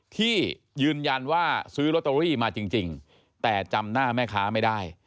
ที่ยืนยันว่าซื้อลอตเตอรี่มาจริงแต่จำหน้าแม่ค้าไม่ได้